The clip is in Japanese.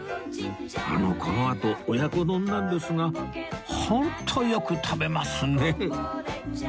あのこのあと親子丼なんですがホントよく食べますねえ